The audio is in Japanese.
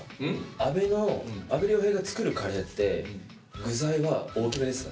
阿部の阿部亮平が作るカレーって具材は大きめですか？